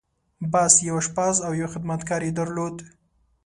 بس! يو آشپز او يو خدمتګار يې درلود.